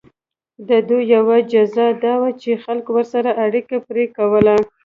د دوی یوه جزا دا وه چې خلکو ورسره اړیکه پرې کوله.